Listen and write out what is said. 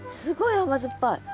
甘酸っぱい。